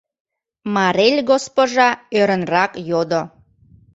Марель госпожа ӧрынрак йодо: